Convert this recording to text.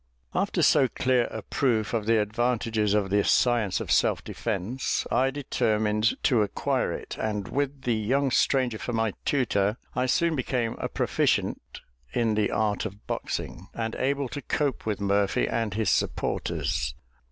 After so clear a proof of the advantages of the science of self defence, I determined to acquire it; and, with the young stranger for my tutor, I soon became a proficient in the art of boxing, and able to cope with Murphy and his supporters.